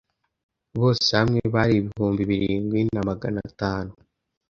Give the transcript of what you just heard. bose hamwe bari ibihumbi birindwi na magana atanu